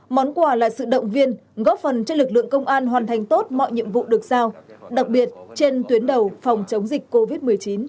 món quà là sự động viên góp phần cho lực lượng công an hoàn thành tốt mọi nhiệm vụ được sao đặc biệt trên tuyến đầu phòng chống dịch covid một mươi chín